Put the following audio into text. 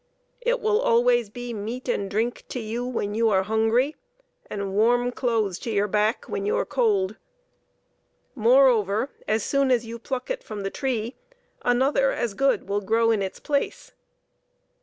It will always be meat and drink to you when you are hungry, and warm clothe? to your back when you are cold. Moreover, as soon as you pluck it from the tree, another as good will grow in its place.